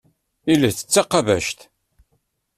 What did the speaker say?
Iles d taqabact.